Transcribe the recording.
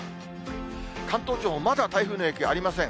関東地方、まだ台風の影響ありません。